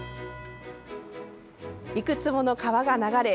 いくつもの川が流れ